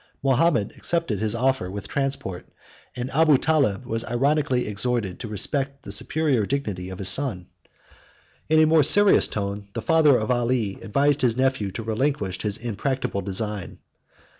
Mahomet accepted his offer with transport, and Abu Taled was ironically exhorted to respect the superior dignity of his son. In a more serious tone, the father of Ali advised his nephew to relinquish his impracticable design.